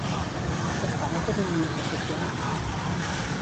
S'estava tornant més asocial?